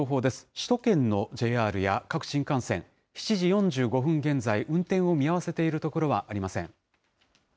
首都圏のＪＲや各新幹線、７時４５分現在、運転を見合わせているところはありません。